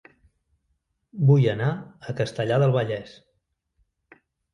Vull anar a Castellar del Vallès